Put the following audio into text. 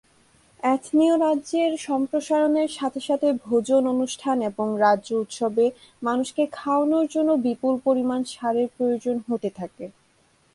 এথনিয় রাজ্যের সম্প্রসারণের সাথে সাথে ভোজন অনুষ্ঠান এবং রাজ্য উৎসবে মানুষকে খাওয়ানোর জন্য বিপুল পরিমাণ ষাঁড়ের প্রয়োজন হতে থাকে।